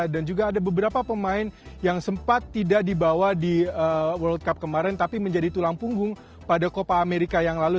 dan juga ada beberapa pemain yang sempat tidak dibawa di world cup kemarin tapi menjadi tulang punggung pada copa amerika yang lalu